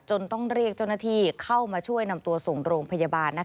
ต้องเรียกเจ้าหน้าที่เข้ามาช่วยนำตัวส่งโรงพยาบาล